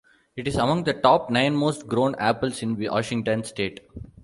It is among the top nine most grown apples in Washington state.